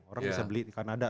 orang bisa beli di kanada